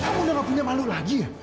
kamu udah gak punya malu lagi ya